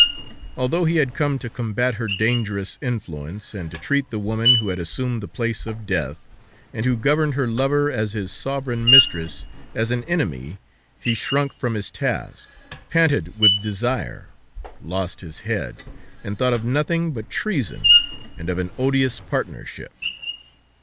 Although he had come to combat her dangerous influence, and to treat the woman, who had assumed the place of death, and who governed her lover as his sovereign mistress, as an enemy, he shrunk from his task, panted with desire, lost his head, and thought of nothing but treason and of an odious partnership.